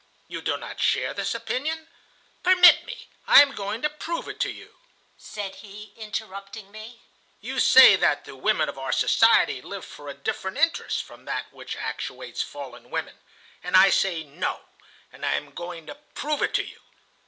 You do not share this opinion? Permit me, I am going to prove it to you (said he, interrupting me). "You say that the women of our society live for a different interest from that which actuates fallen women. And I say no, and I am going to prove it to you.